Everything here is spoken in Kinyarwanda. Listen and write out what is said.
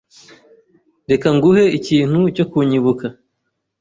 Reka nguhe ikintu cyo kunyibuka.